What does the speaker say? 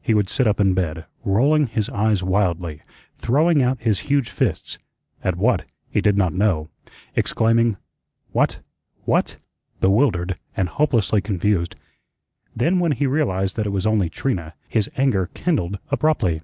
He would sit up in bed, rolling his eyes wildly, throwing out his huge fists at what, he did not know exclaiming, "What what " bewildered and hopelessly confused. Then when he realized that it was only Trina, his anger kindled abruptly.